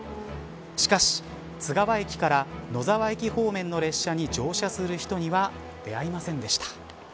しかし津川駅から野沢駅方面の列車に乗車する人には出会いませんでした。